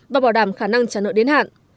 và bảo đảm khả năng trả nợ đến hạn